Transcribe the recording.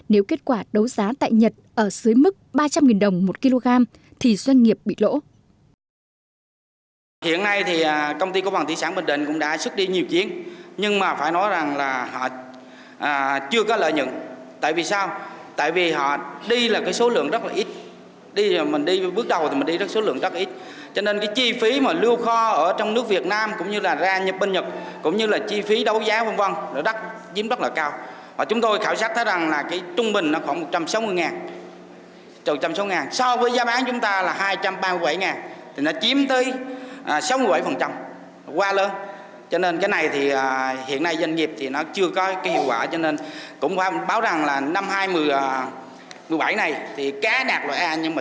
nếu kết quả đấu giá tại nhật ở dưới mức ba trăm linh đồng một kg thì doanh nghiệp bị lỗ